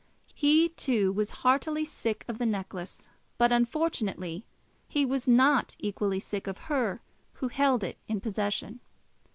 He, too, was heartily sick of the necklace; but unfortunately he was not equally sick of her who held it in possession.